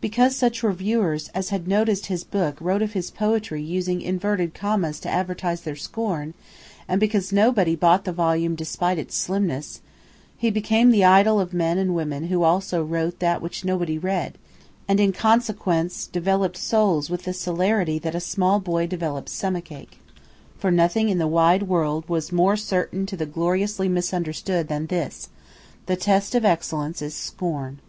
Because such reviewers as had noticed his book wrote of his "poetry" using inverted commas to advertise their scorn, and because nobody bought the volume despite its slimness, he became the idol of men and women who also wrote that which nobody read, and in consequence developed souls with the celerity that a small boy develops stomachache. For nothing in the wide world was more certain to the gloriously misunderstood than this: the test of excellence is scorn.